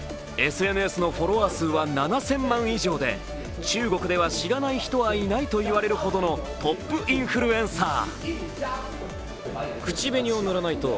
ＳＮＳのフォロワー数は、７０００万人以上で、中国では知らない人は言われるほどのトップインフルエンサー。